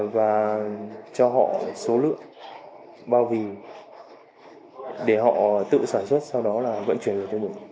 và cho họ số lượng bao vì để họ tự sản xuất sau đó là vận chuyển được cho mình